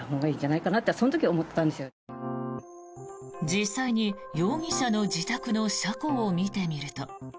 実際に容疑者の自宅の車庫を見てみると。